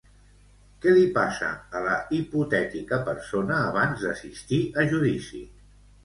Què li passa a la hipotètica persona abans d'assistir a judici?